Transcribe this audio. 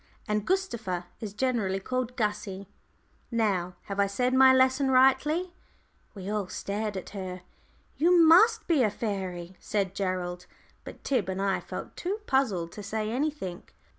And Gustava is generally called 'Gussie.' Now, have I said my lesson rightly?" We all stared at her. "You must be a fairy," said Gerald. But Tib and I felt too puzzled to say anything.